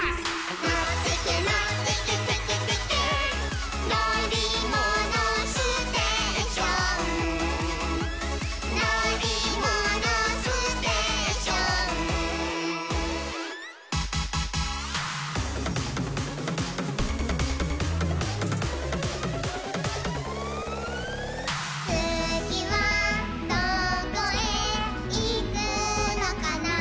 「のってけのってけテケテケ」「のりものステーション」「のりものステーション」「つぎはどこへいくのかな」